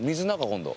今度。